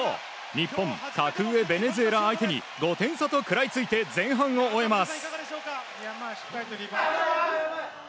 日本、格上ベネズエラ相手に５点差と食らいついて前半を終えます。